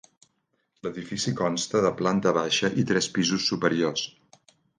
L'edifici consta de planta baixa i tres pisos superiors.